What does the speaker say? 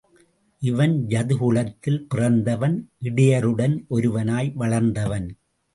இவன் யது குலத்தில் பிறந்தவன் இடையருடன் ஒருவனாய் வளர்ந்தவன்.